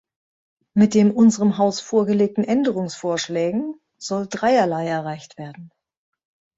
Mit den unserem Haus vorgelegten Änderungsvorschlägen soll dreierlei erreicht werden.